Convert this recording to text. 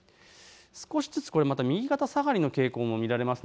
少しずつ右肩下がりの傾向も見られます。